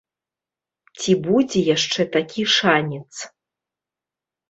Ці будзе яшчэ такі шанец.